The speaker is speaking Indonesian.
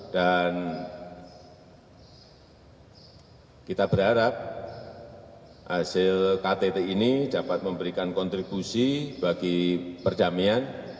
dan kita berharap hasil ktt ini dapat memberikan kontribusi bagi perdamaian